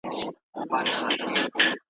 د سپوږمۍ کلي ته نه ورځي وګړي ,